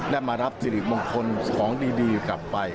มารับสิริมงคลของดีกลับไป